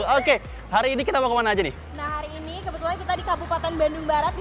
oke hari ini kita mau kemana aja nih nah hari ini kebetulan kita di kabupaten bandung barat di